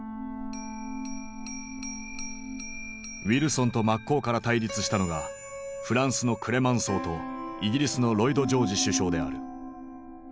ウィルソンと真っ向から対立したのがフランスのクレマンソーとイギリスのロイド・ジョージ首相である。